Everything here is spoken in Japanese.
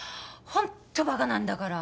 ホントバカなんだから。